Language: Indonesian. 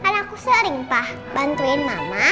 karena aku sering pa bantuin mama